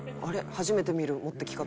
初めて見る持ってき方」